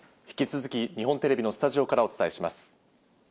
引き続き、日本テレビのスタジオからお伝えします。